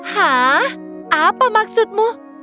hah apa maksudmu